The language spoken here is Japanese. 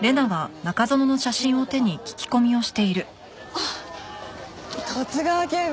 あっ十津川警部！